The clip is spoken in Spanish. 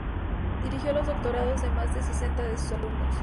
Dirigió los doctorados de más de sesenta de sus alumnos.